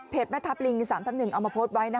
แม่ทัพลิง๓ทับ๑เอามาโพสต์ไว้